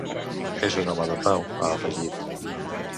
És un home de pau, ha afegit.